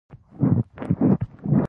ایا سپورت کوئ؟